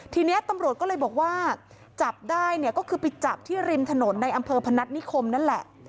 ทีนี้ตำรวจก็เลยบอกว่าจับได้เนี่ยก็คือไปจับที่ริมถนนในอำเภอพนัฐนิคมนั่นแหละ